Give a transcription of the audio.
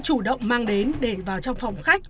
chủ động mang đến để vào trong phòng khách